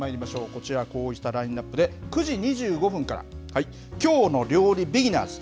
こちら、こうしたラインナップで、９時２５分から、きょうの料理ビギナーズ。